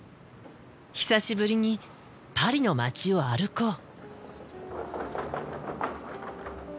久しぶりにパリの街を歩こう。